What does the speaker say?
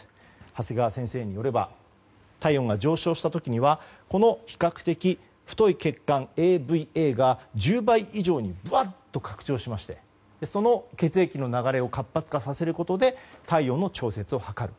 長谷川先生によれば体温が上昇した時にはこの比較的太い血管、ＡＶＡが１０倍以上にぶわっと拡張しましてその血液の流れを活発化させることで体温調整を図る。